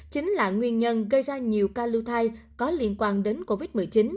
chính là nguyên nhân gây ra nhiều ca lưu thai có liên quan đến covid một mươi chín